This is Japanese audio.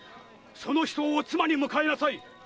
その人を妻に迎えなさい！